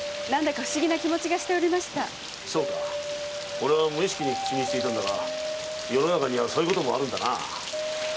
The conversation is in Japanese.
俺は無意識に口にしていたが世の中にはそういうこともあるんだな。